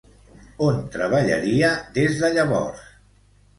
On treballaria des de llavors?